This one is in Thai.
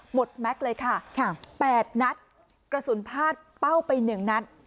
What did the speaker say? หมดแม็กซ์เลยค่ะค่ะแปดนัดกระสุนพลาดเป้าไปหนึ่งนัด